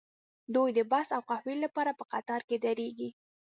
دوی د بس او قهوې لپاره په قطار کې دریږي